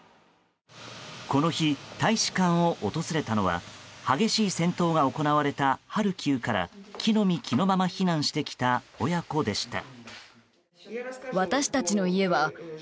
この日、大使館を訪れたのは激しい戦闘が行われたハルキウから着の身着のまま避難してきた親子でした。